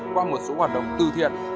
qua một số hoạt động tư thiện